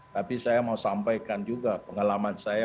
tapi saya mau sampaikan juga pengalaman saya